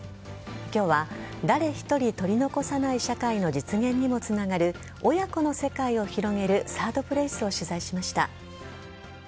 今日は誰１人取り残さない社会の実現にもつながる親子の世界を広げるサードプレイスを取材しました。